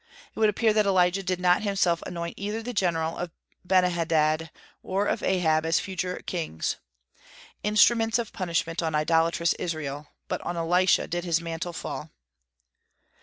It would appear that Elijah did not himself anoint either the general of Benhadad or of Ahab as future kings, instruments of punishment on idolatrous Israel, but on Elisha did his mantle fall.